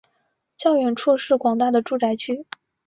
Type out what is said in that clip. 较远处则是广大的住宅区。